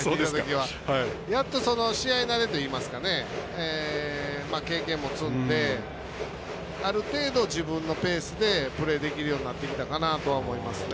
やっと試合慣れといいますか経験も積んである程度、自分のペースでプレーできるようになってきたかなと思いますね。